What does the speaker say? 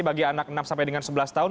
bagi anak enam sebelas tahun